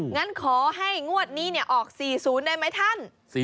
งั้นขอให้งวดนี้ออก๔๐ได้ไหมท่าน